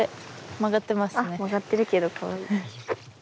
曲がってるけどかわいい。